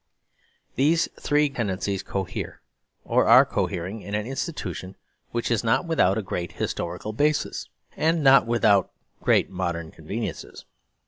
These three tendencies cohere, or are cohering, in an institution which is not without a great historical basis and not without great modern conveniences.